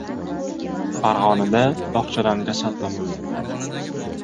Farg‘onada bog‘chadan jasad topildi